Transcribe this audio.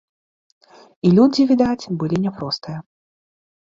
І людзі, відаць, былі няпростыя.